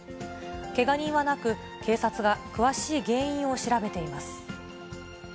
けが人はなく、警察が詳しい原因を調べています。